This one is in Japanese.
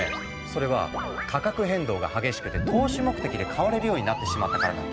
それは価格変動が激しくて投資目的で買われるようになってしまったからなんだ。